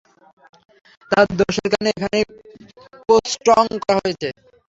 তার দোষের কারণে এখানে পোস্টং হয়েছে।